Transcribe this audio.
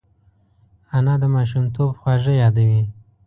انا د ماشومتوب خواږه یادوي